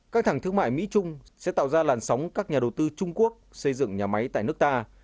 căng thẳng thương mại mỹ trung sẽ tạo ra làn sóng các nhà đầu tư trung quốc xây dựng nhà máy tại nước ta